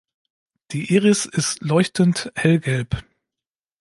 Die Iris ist leuchtend hellgelb.